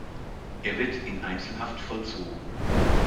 Er wird in Einzelhaft vollzogen.